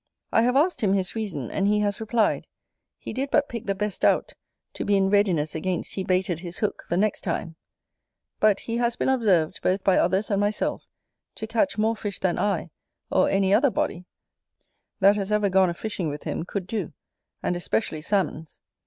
I have asked him his reason, and he has replied, "He did but pick the best out to be in readiness against he baited his hook the next time": but he has been observed, both by others and myself, to catch more fish than I, or any other body that has ever gone a fishing with him, could do, and especially Salmons.